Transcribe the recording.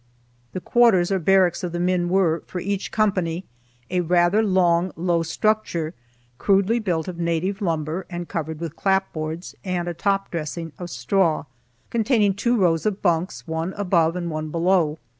The quarters or barracks of the men were, for each company, a rather long, low structure, crudely built of native lumber and covered with clapboards and a top dressing of straw, containing two rows of bunks, one above and one below.